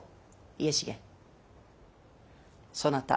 家重そなた